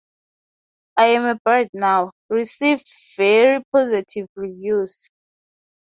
"I Am a Bird Now" received very positive reviews.